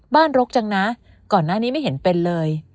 รกจังนะก่อนหน้านี้ไม่เห็นเป็นเลย